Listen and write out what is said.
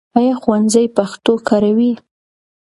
ایا ښوونځی پښتو کاروي؟